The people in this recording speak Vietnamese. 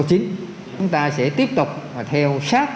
chúng ta sẽ tiếp tục theo sát